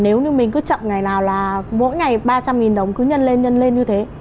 nếu như mình cứ chậm ngày nào là mỗi ngày ba trăm linh nghìn đồng cứ nhân lên như thế